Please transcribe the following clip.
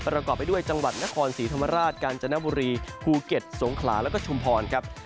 ประกอบไปด้วยจังหวัดนครศรีธรรมราชกาญจนบุรีภูเก็ตสงขลาแล้วก็ชุมพรครับ